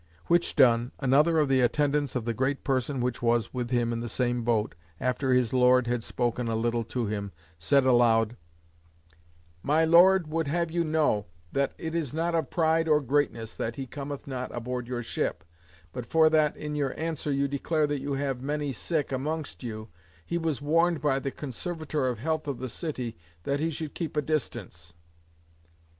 Which done, another of the attendants of the great person which was with him in the same boat, after his Lord had spoken a little to him, said aloud: "My Lord would have you know, that it is not of pride, or greatness, that he cometh not aboard your ship; but for that in your answer you declare that you have many sick amongst you, he was warned by the Conservator of Health of the city that he should keep a distance."